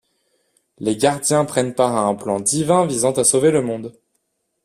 Les Gardiens prennent part à un plan divin visant à sauver le monde.